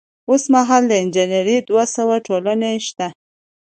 اوس مهال د انجنیری دوه سوه ټولنې شته.